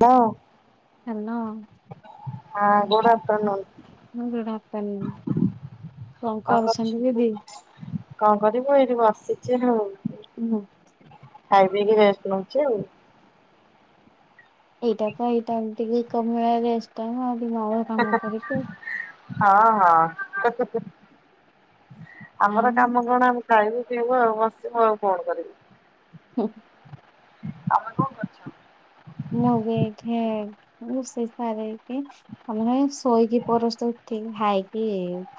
Hello hello. ହଁ ଗୋଡ଼ ହାତ ନଉ ମୁଣ୍ଡଟା [inaudible] କଣ କରୁଛନ୍ତି ଦିଦି? କଣ କରିବୁ ଏଇଠି ବସିଛି ଆଉ। ହୁଁ, ଖାଇ ପିଇକି ରେଷ୍ଟ ନଉଛି ଆଉ। ଏଇଟା ତ ଏଇ ଟାଇମ୍ ଟିକେ ରେଷ୍ଟ୍ ଟାଇମ ଆଉ [inaudible] କାମ କରିକି। ହଁ ହଁ ଆଉ ଆମର କାମ କଣ ଆମେ ଖାଇବୁ ପିିଇବୁ ଆଉ ବସିବୁ ଆଉ କଣ କରିବୁ। ହଁ ତମେ କଣ କରୁଛ? ମୁଁ ଏବେ ଏଇଠେ ରୋଷେଇ ସାରିକି ଥରେ ଶୋଇକି ପରସ୍ତେ ଉଠିକି ଖାଇକି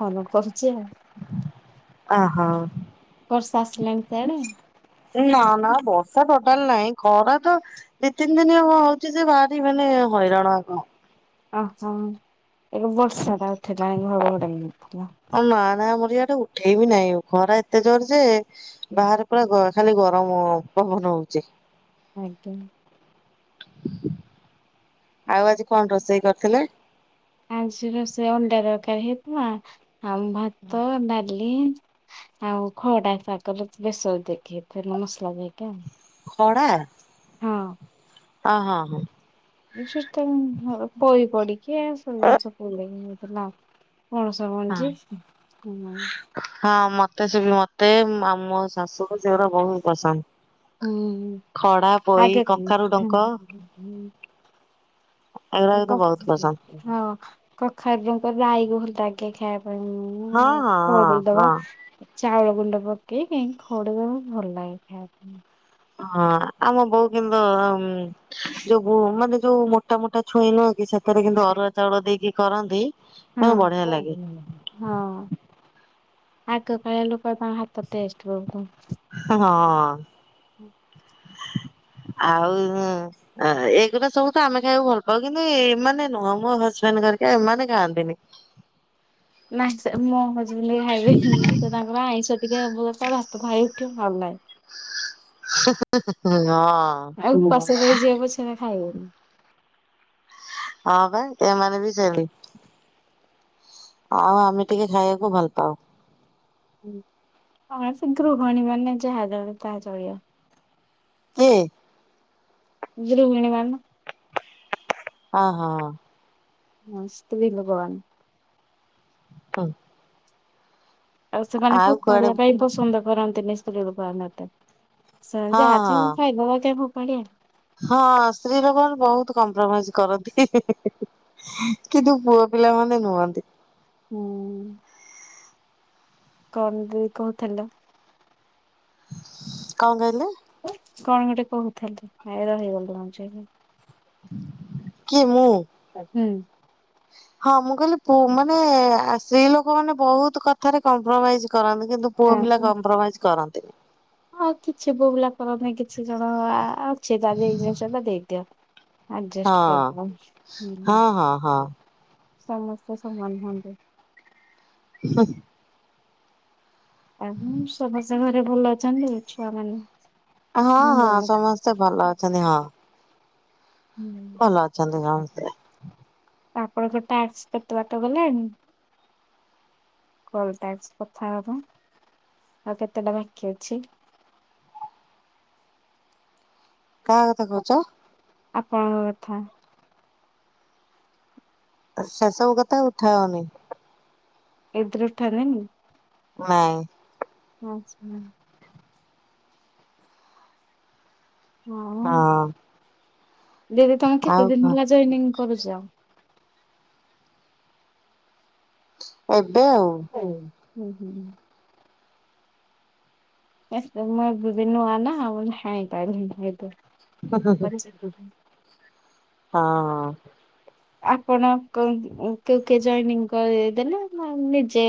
ଫୋନ କରୁଛି ଆଉ। ଅ ହ ବର୍ଷା ଆସିଲାଣି ସିଆଡେ? ନା ନା ବର୍ଷା ତ ଟୋଟାଲ ନାହିଁ ଖରା ତ ଦି ତିନି ଦିନ ହେଉଛି ଯେ ଭାରି ମାନେ ହଇରାଣ ଆ କଣ ଓହୋ ଏ ବର୍ଷା ଟା ଉଠିଲାଣି ଘଡ଼ଘଡ଼ି ବି ଉଠିଲା ଆଉ ନା ନା ଆମର ଇଆଡେ ଉଠେଇବି ନାହିଁ ଖରା ଏତେ ଜୋର ଯେ ବାହାରେ ପୁରା ଖାଲି ଗରମ ହଁ ହଁ ପବନ ହଉଛି। ଆଜ୍ଞା। ଆଉ ଆଜି କଣ ରୋଷେଇ କରିଥିଲେ? ଆଜି ରୋଷେଇ ଅଣ୍ଡା ତରକାରୀ ହେଇଥିଲା ଆମ ଭାତ, ଡାଲି ଆଉ ଖଡ଼ାଶାଗ ବେସର ଦେଇକି ମସଲା ଦେଇକି ଆଉ ଖଡ଼ା ହଁ। ଓ ହଁ ହଁ [inaudible] ପୋଇ ପଡିିକି ସବୁ ଜିନିଷ ପଡିକି ହେଇଥିଲା ଆଉ। ପଣସ ହଁ ମଞ୍ଜି ହୁଁ ହଁ ମତେ ସେ ମତେ ମତେ ଆମ ଶାଶୁକୁ ସେଗୁଡ଼ା ବହୁତ ପସନ୍ଦ। ହୁଁ ଖଡ଼ା, ପୋଇ, ଆଗେ କଖାରୁ ଡଙ୍କ ଏଗୁରା କିନ୍ତୁ ବହୁତ ପସନ୍ଦ। ହଁ କଖାରୁ ଡଙ୍କ ରାଈ ଭଲ ଲାଗେ। ହଁ ହଁ ହଁ ଘଡ଼େଇଦୋବା ହଁ ଚାଉଳ ଗୁଣ୍ଡ ପକେଇ ଖଡ଼ିବା ଭଲ ଲାଗେ ଖାଇବା ପାଇଁ ହଁ ଆମ ବୋଉ କିନ୍ତୁ ଆ ମୁଁ ଯୋଉ ମାନେ ଯୋଉ ମୋଟା ମୋଟା ଛୁଇଁ ନୁହଁ କି ସେପଟେ କିନ୍ତୁ ଅରୁଆ ଚାଉଳ ଦେଇକି କରନ୍ତି। ହଁ ବଢିଆ ଲାଗେ ହଁ। ଆଗକାଳ ଲୋକ ତ ହାତ ଟେଷ୍ଟ ବହୁତ। ହଁ ହୁଁ। ଆଉ ଏଇଗୁଡ଼ା ସବୁ ତ ଆମେ ଖାଇବାକୁ ଭଲ ହଉ କିନ୍ତୁ ଏମାନେ ନୁହଁ ମୋ ହଜବେଣ୍ଡ ଘରେକା ଏମାନେ ଖାଆନ୍ତି ନି। ନା ସେ ମୋ ହଜବେଣ୍ଡ ଖାଇବେ ତ ତାଙ୍କର ଆଇଁଷ ଟିକେ ଭାତ ଖାଇ ଭଲ ନାହିଁ। ହୁଁ ହୁଁ ହୁଁ ହୁଁ। ଆଉ ଉପାସ ରହି ଯିବେ ପଛେ ସେ ଖାଇବେନି। ହଁ ବା ଏମାନେ ବି ସେମିତି ଆଉ ଆମେ ଟିକେ ଖାଇବାକୁ ଭଲ ପାଉ। ହଣସଙ୍କୃୁ ଘଣି ବାାର ନ ଯାହାାଦବ ପାହା ଚଳିବା। କିଏ? ଦ୍ରୁବିଣୀ ମାନ ହଁ ହଁ। ହଁ ସ୍ତ୍ରୀ ଲୋକମାନେ। ତଉ [unintelligible] ଆଉ ସେମାନେ ଖୁବ ପଢଳିବା ପାଇଁ ପସନ୍ଦ କରନ୍ତିନି ସ୍ତ୍ରୀ ଲୋକମାନେ ଏତେ ହଁ ଯାହା ଅଛି ମୁଁ ହଁ ଖାଇବା କାଇଁ ଫୋପାଡ଼ିବା। ହଁ ସ୍ତ୍ରୀ ଲୋକମାନେ ବହୁତ କମ୍ପ୍ରମାଇଜ କରନ୍ତି କିନ୍ତୁ ପୁଅ ପିଲା ମାନେ ନୁହଁନ୍ତି। ହୁଁ କଣ ବିି କହୁଥିଲ? କଣ କହିଲେ? କଣ ଗୋଟେ କହୁଥିଲି ଏ ରହିଗଲ ମଝିରେ କିଏ ମୁଁ? ହୁଁ। ହଁ ମୁଁ କହିଲି ପୁ -ମାନେ ସ୍ତ୍ରୀ ଲୋକ ମାନେ ବହୁତ କଥାରେ କମ୍ପ୍ରମାଇଜ କରନ୍ତି କିନ୍ତୁ ପୁଅ ପିଲା ହଁ କମ୍ପ୍ରୋମାଇଜ କରନ୍ତିନି? ଆଉ କିଛି ପୁଅପିଲା କରନ୍ତି କିଛି ଜଣ ଅଛି ତା ଏଇ ଜିନିଷ ଟା ଦେଇଦିଅ। ଆଡଜଷ୍ଟ ହଁ କରିଦବା ହଁ ହୁଁ ହଁ ହଁ। ସମସ୍ତେ ସମାନ ନୁହଁନ୍ତି। ହ [unintelligible] ଆ ସମସ୍ତେ ଘରେ ଭଲ ଅଛନ୍ତି ଛୁଆମାନେ? ହଁ ହଁ ସମସ୍ତେ ଭଲ ଅଛନ୍ତି ହଁ। ହୁଁ ଭଲ ଅଛନ୍ତି ସମସ୍ତେ। ତାପରେ ତୋ ଟାକ୍ସ କେତେବାଟ ଗଲାଣି? କଲ ଟାକ୍ସ କଥା ହେବା ପାଇଁ। ଆଉ କେତେଟା ବାକି ଅଛି? ହ କାହା କଥା କହୁଛ? ଆପଣଙ୍କ କଥା। ସେେ ସବୁ କଥାେ ଉଠାଅନି? ଏ ଦରଠାନେନି? ନାଇଁ। ହଁ। ହଁ। ଦିଦି ତମେ କେତେ ଦିନ ଆଉ ହେଲା ଜନିଂ କରୁଛ। ଏବେ ଆଉ। ହୁଁ ହୁଁ ହୁଁ। ଏତେ ମୁଁ ଅବେ ବି ନୂଆ ନା ହାଇ ପାରିଲିନି ବଞଜଗହ [unintelligible] ହଁ ହଁ। ଆପଣ କେଉ କେ ଜନିଂ କରିଦେଲେ ନା ନିଜେ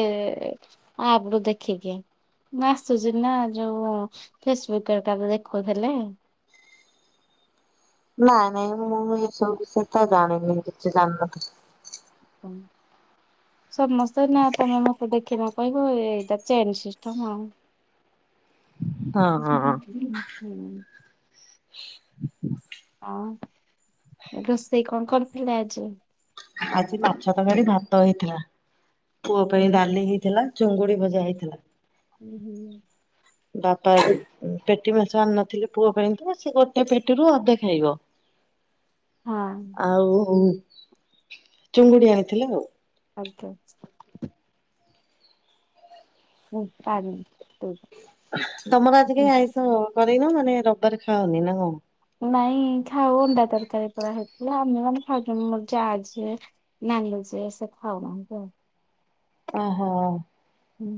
ଆପ ରୁ ଦେଖିକି ନା ଆସୁଛି ନା ଯୋଉ ଫେସବୁକ ହରିକାରୁ ଦେଖଉଥିଲେ। ନାଇଁ ନାଇଁ ମୁଁ ଏସବୁ ବିଷୟ ତ ଜାଣିନି କିଛି ଜାଣିନଥା ହୁଁ। ସମସ୍ତେ ନା ତମେ ମତେ ଦେଖିନ କହିବ ଏଇଟା ଚେନ ସିଷ୍ଟମ ଆଉ। ହ [inaudible] ହ ହଁ ରୋଷେଇ କଣ କରଥିଲେ ଆଜି? ଆଜି ମାଛ ତରକାରି ଭାତ ହେଇଥିଲା। ପୁଅ ହୁଁ ପାଇଁ ଡାଲି ହେଇଥିଲା ଚୁଙ୍ଗୁଡି ଭଜା ହେଇଥିଲା। ହୁଁ ହୁଁ। ବାପା ପେଟି ମାଛ ଆଣି ନଥିଲେ ପୁଅ ପାଇଁ ତ ସେ ଗୋଟେ ପେଟିରୁ ଅଧେ ଖାଇବ। ହଁ ଆଉ ଚୁଙ୍ଗୁଡି ଆଣିଥିଲ ଆଉ। ଆଜ୍ଞା। ପାଣି ତମର ଆଜି କାହି ଆଇଁଷ ନେଇନ ମାନେ ରବିବାରେ ଖାଅନି ନା କଣ? ନାଇଁ ଖାଉ ଅଣ୍ଡା ତରକାରୀ ପୁରା ହେଇଥିଲା ଆମେ ମାନେ ଖାଇ କର ଜାଆ ଯିଏ ନାହିଁ ସେ ସେ ଖାଉନାହନ୍ତି ଆଉ। ଓହୋ। ହୁଁ।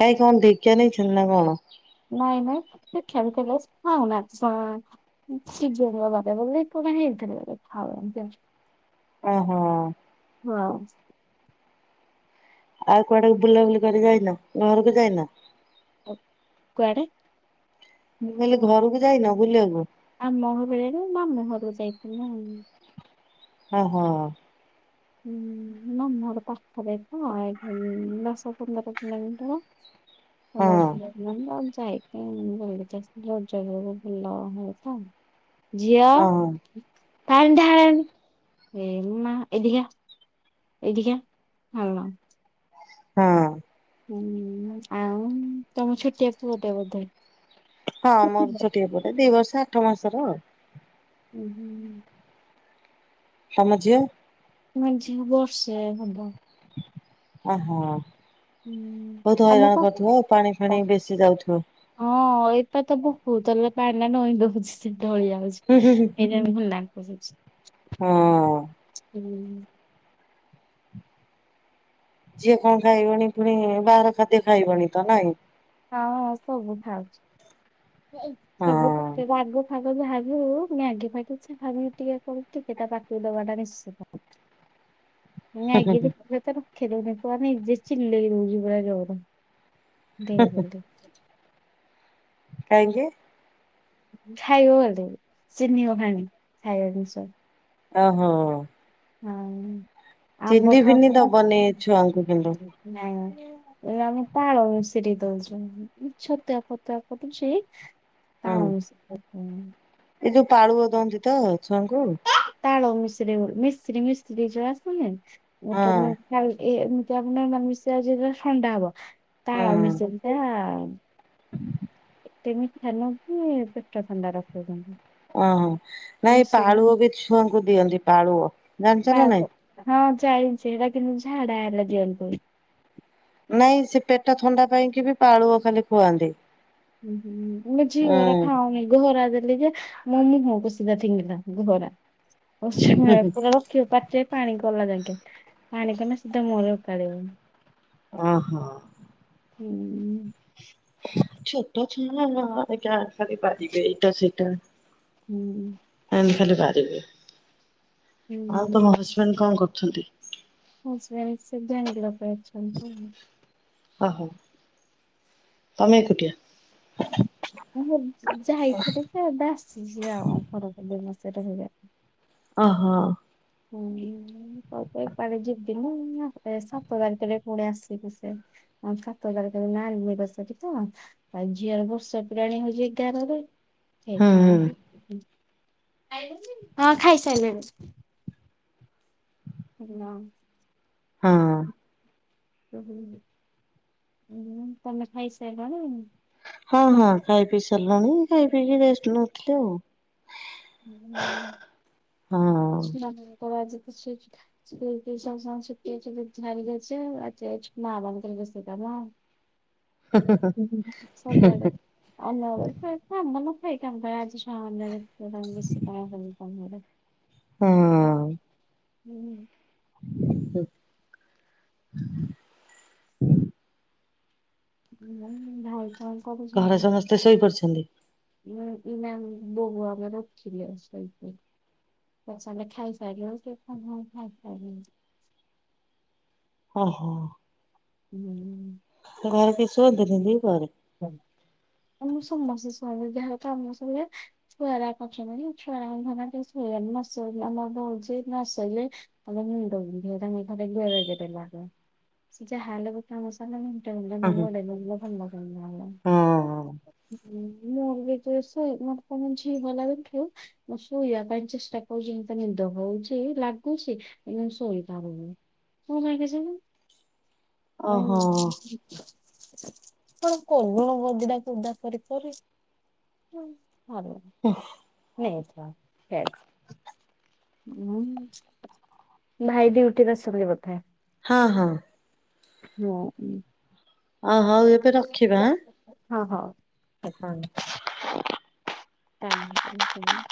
କାଇ କଣ ଦୀକ୍ଷା ନେଇଛନ୍ତି ନା କଣ? ନାଇଁ ନାଇଁ ତ [unintelligible] ଖେଲ ଖେଲେ ଖଉନା ଶିିବ ଙ୍କ ବାର ବୋଲି ନାଇ ହେଇଥରେ ଥାଉ ଅମିତି ଆଉ। ଓହୋ। ହଁ। ଆଉ କୁଆଡାକୁ ବୁଲାବୁଲି କରି ଯାଇନା ଘରକୁ ଯାଇନ? ତ କୁଆଡେ? ମୁଁ କହିଲି ଘରକୁ ଯାଇନ ବୁଲିବାକୁ। ଆମ ଘର [unintelligible] ନାଇ ମାମୁଁ ହରକୁ ଯାଇଥିଲି ଆଉ ଅ ହୋ। ହୁଁ। ମାମୁଁ ହର ପାଖରେ ତ ଦଶ ପନ୍ଦର ପନ୍ଦର କିଲୋମିଟର। ହଲ ହଁ। [unintelligible] ଯାଇକି ବୁଲିକି ଆସିଲି ରଜ [unintelligible] ଝିଅ ଓହୋ ପାଣି ଢାଳେନି ଏମା ଏଠି କି ଆ ଏଇଠି କି ଆ ହାଲୋ। ହଁ। ହୁଁ ଆଉ ତମ ଛୋଟିଆ ପୁଅଟେ ବୋଧେ? ହଁ ମୋର ଛୋଟି ଏ ପୁଟେ ଦି ବର୍ଷ ଆଠ ମାସର ଆଉ। ହୁଁ ହୁଁ। ତମ ଝିଅ? ମ ଝିଅ ବର୍ଷେ ହବ। ଓହୋ। ହୁଁ ବହୁତ ଆମ ହଇରାଣ କରୁଥିବ ଆଉ ପାଣି ଫାଣି [unintelligible] ବେଶୀ ଯାଉଥିବ। ହଁ ଏଟା ତ ବୋତଲରେ ପାଣିରା ନଇଁ ଦୋଉଚି ସେ ଢ଼ଳି ଯାଉଛି ହୁଁ ହୁଁ ହୁଁ ସେଇଥିପାଇଁ ମୋ ରାଗ ଚିଡୁଚି ହଁ। ହୁଁ। ଯିଏ କଣ ଖାଇବନି ପୁଣି ବାହାର ଖାଦ୍ୟ ଖାଇବନି ତ ନାଇଁ ହଁ ହଁ ସବୁ ଖାଉଚି ହଁ ସବୁତ ଖାଉଚି ରାଗ ଫାଗ ଯାହାବି ହୋଉ ମାଗି ଫାଗି କିଛି ଭାବୁ ଟିକେ କ ଟିକେ ତା ପାଟି ଦବାଟା ନିଶ୍ଚିତ। ହୁଁ ହୁଁ ମାଏଗି ହୁଁ। ଖ ତ ରଖେ ଦୋଉନି ପୁଅ ଯେ ଚିଲେଇ ଦୋଉଚି ପୁରା ଯୋରେ ଦେ ବୋଲି। କାହିଁକି? ଖାଇବ ବୋଲି ଚିହ୍ନି ଗଲାଣି ଖାଇବା ଜିନିଷ। ଓ ହୋ। ହୁଁ। ଚିନି ଫିନି ଦବନି ଛୁଆଙ୍କୁ କିନ୍ତୁ ନାଇଁ। ଆମେ ତାଳ ସିରି ଦୋଉଚି ଛତୁଆ ଫତୁଆ ଫତୁଚି ତାଳ [unintelligible] ତାଳୁଅ ଦିଅନ୍ତି ତ ଛୁଆଙ୍କୁ ମିଶ୍ରି ମିଶ୍ରି ଯୋଉ ଆସୁନି ହଁ ଗୋଟେ [unintelligible] ଆଉ ଏ ଏମିତି ଆପଣ ମିଶ୍ରି ଆଜି ଥଣ୍ଡା ହବ ତାଳ ହଁ ମିଶ୍ରି ଟା କେମିତି ଖାନ କି ପେଟ ଥଣ୍ଡା ରଖୁଚନ୍ତି। ଓହୋ ନାଇଁ ପାଳୁଅ ବି ଛୁଆଙ୍କୁ ଦିଅନ୍ତି ପାଳୁଅ ଜାଣିଚ ନା ନାଇଁ। ଜାଣିଛି ହେଟା କିନ୍ତୁ ଝାଡା ହେଲା ଦିଅନ୍ତି। ନାଇଁ ସେ ପେଟ ଥଣ୍ଡା ପାଇଁକି ବି ପାଳୁଅ ଖାଲି ଖୁଆନ୍ତି। ଉହୁ ମୋ ଝିଅ ହେରା ଉଁ। ଖାଉନି ଘରା ଲି ଯେ ମୋ ମୁହଁକୁ ସିଧା ଫିଙ୍ଗିଲା ଗୁହଉରା ପା ରଖିବ ପାଟ୍ ରେ ପାଣି କଲା ପାଣି କଲେ ସିଧା ମ ରେ କଡିବ। ଓ ହୋ। ହୁଁ। ଛୋଟ ଛୁଆ ଏଇଟା ଖାଲି ବାରିବେ ଏଇଟା ସେଇଟା ହୁଁ। ଖାଲି ବାରିବେ ଆଁ ତମ ହୁଁ ହଜବେଣ୍ଡ କଣ କରୁଛନ୍ତି? ହଜବେଣ୍ଡ ସେ ବାଙ୍ଗଲୋରରେ ଅଛନ୍ତି ଆଉ। ଓହୋ ତମେ ଏକୁଟିଆ? ମୁଁ ଯାଇଥିଲି ଯେ ଏବେ ଆସିଚି ଆଉ ଘର ମାସେ ରହି ଅହୋ। ହୁଁ କ ଏପଡେ ଯିବିନି ସାତ ତାରିଖରେ ଫୁଣି ଆସିବେ ସେ ଆଁ ସାତ ତାରଖ ଅନିବର୍ଷରି ତ ଆଉ ଝିଅର ବର୍ଷ ପୁରାଣୀ ହୋଉଛି ଏଗାରରେ। ସେଇ ହୁଁ ହୁଁ [unintelligible] ହିଁ ଖାଇସାରିଲିଣି। ହାଲୋ। ହଁ। [unintelligible] ତମେ ଖାଇ ସାଇଲଣି? ହଁ ହଁ ଖାଇ ପିଇ ସାରିଲାଣି ଖାଇ ପିଇକି ରେଷ୍ଟ ନୋଉଥିଲି ଆଉ। ହଁ ହଁ। ହଁ [unintelligible] ସେଇଟା ପା। ହ ଉଁ ସବୁଆଡେ ଆଉ ନ ଖାଇ [unintelligible] ଆମ ମାନ ପାଇଁ କା ଆଜି ଛୁଆ ମାନେ। ତ ତମେ ମିଶି କଣ କରିବରେ। ହଁ। ହୁଁ। [unintelligible] ଦମ ଧାଉ। ଘରେ ସମସ୍ତେ ଶୋଇପଡିଛନ୍ତି। ନାଇ ନା ବୋଉ ଆମର ଉଠିଲେ ଶୋଇପଡ଼ି। ପଛେ ଆମେ ଖାଇ ସାରିଲୁଣି [unintelligible] ଓହୋ। ହୁଁ। ଘରେ କିଏ ଶୁଅନ୍ତିିନି ଦି ପହରେ। ହୁଁ ଆମେ ସମସ୍ତେ ଶୁଅନ୍ତି ଯାହା କ୍ରମଶ ହୁଏ ଛୁଆ ଗୁରାକ ଅଛ [unintelligible] ଛୁଆ ରା ଖରା ରେ କେହି ଶୁଅ [unintelligible] ନଶୋଇଲେ ଆମର ତ ହଉଚି ନ ଶୋଇଲେ ଆମର ମୁଣ୍ଡ ବିନ୍ଧିବ ତାଙ୍କେ [unintelligible] ଗେରେ ଗେରେ ଲାଗବ। ସେ ଯାହା ହେଲେ ଗୋଟେ ଆମର। [unintelligible] ହଁ ହଁ [unintelligible] ବିନ୍ଧାହବ। [unintelligible] ଏବେ ଯେ ଶୋଇ ମତେ [unintelligible] ଭଲ ଲାଗେ ଆମେ ଖେଳୁ ମୁଁ ଶୋଇବା ପାଇଁ ଚେଷ୍ଟା କରୁଛି ମତେ ନିଦ ହଉ ଛି ଲାଗୁଛି ଏ କିନ୍ତୁ ଶୋଇପାରିନି କଣ ପାଇଁ କେଜାଣି। ଓହୋ ନାଇଁ। କଣ କରୁଣ ଗାଦି ଟା କୁ ଉଦା କରି କରି ଭ ଓଃ। ହେ ଥା ହିଆଡେ। ହୁଁ ଭାଇ ଡିଉଟିରୁ ଆସିବେଣି ବୋଧେ। ହଁ ହଁ। ନାଇ। ଓ ହଉ ଏବେ ରଖିବା। ହଁ ହଉ। ହଁ। ଟାଇମି ହେଇଗଲା ଟାଇମି।